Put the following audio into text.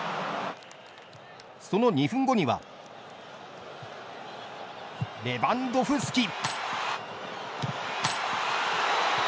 その２分後にはレバンドフスキ。